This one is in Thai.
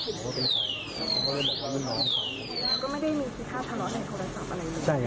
แล้วก็ไม่ได้มีพิธาภาวะในของพี่สาเหตุอะไรอยู่